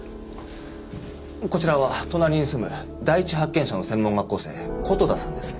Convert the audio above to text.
こちらは隣に住む第一発見者の専門学校生琴田さんです。